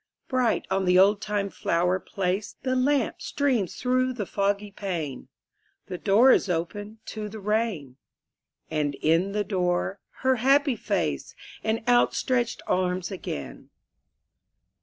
Bright on the oldtime flower place The lamp streams through the foggy pane; The door is opened to the rain: And in the door her happy face And outstretched arms again.